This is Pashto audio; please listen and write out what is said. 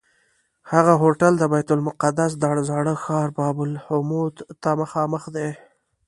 هغه هوټل د بیت المقدس د زاړه ښار باب العمود ته مخامخ دی.